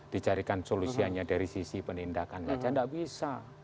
di carikan solusinya dari sisi penindakan saja enggak bisa